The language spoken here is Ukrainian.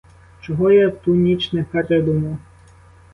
Чого я в ту ніч не передумав!